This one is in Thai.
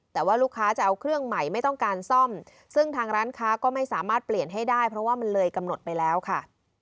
แต่ว่าลูกค้าจะเอาเครื่องใหม่ไม่ต้องการซ่อมซึ่งทางร้านค้าก็ไม่สามารถเปลี่ยนให้ได้เพราะว่ามันเลยกำหนดไปแล้วค่ะ